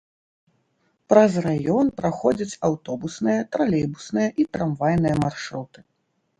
Праз раён праходзяць аўтобусныя, тралейбусныя і трамвайныя маршруты.